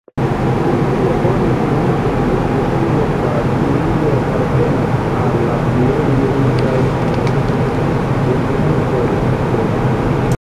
Pro sia bone evoluinta infrastrukturo Baŝkirio apartenas al la plej riĉaj respublikoj de Rusio.